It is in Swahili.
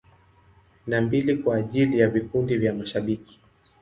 Na mbili kwa ajili ya vikundi vya mashabiki.